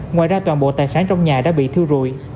ngoài ra toàn bộ tài sản trong nhà đã bị thiêu rụi